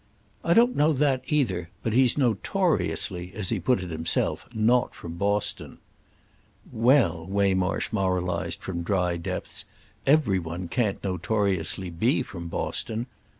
"I don't know that, either. But he's 'notoriously,' as he put it himself, not from Boston." "Well," Waymarsh moralised from dry depths, "every one can't notoriously be from Boston.